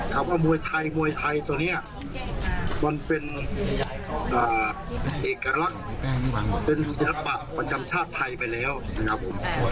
ครับว่ามวยไทยมวยไทยตัวนี้มันเป็นเอกลักษณ์เป็นศิลปะประจำชาติไทยไปแล้วนะครับผม